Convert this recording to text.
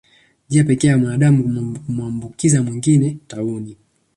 Njia pekee ya mwanadamu kumwambukiza mwingine tauni